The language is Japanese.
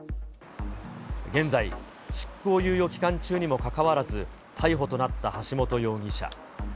現在、執行猶予期間中にもかかわらず、逮捕となった橋本容疑者。